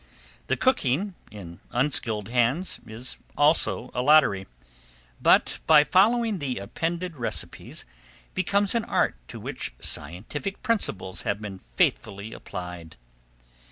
The cooking, in unskilled hands, is also a lottery, but, by following the appended recipes, becomes an art to which scientific principles have been faithfully applied.